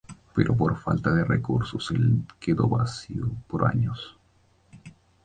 Pero por falta de recursos el quedó vacío por años.